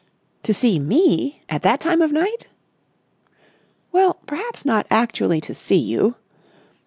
"To see me! At that time of night?" "Well, perhaps not actually to see you."